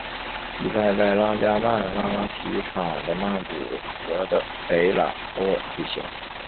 比赛在拉加曼拉拉体育场的曼谷和的北榄坡举行。